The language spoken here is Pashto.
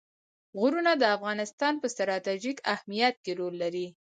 غرونه د افغانستان په ستراتیژیک اهمیت کې رول لري.